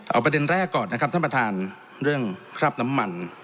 เอาประเด็นแรกก่อนนะครับท่านประธานเรื่องคราบน้ำมัน